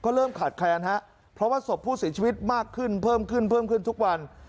ก็เริ่มขาดแคลนฮะเพราะว่าศพผู้สินชีวิตมากขึ้นเพิ่มขึ้นทุกวัน